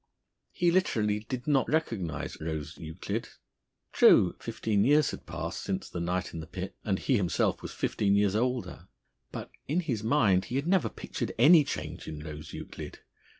He literally did not recognise Rose Euclid. True, fifteen years had passed since the night in the pit! And he himself was fifteen years older. But in his mind he had never pictured any change in Rose Euclid.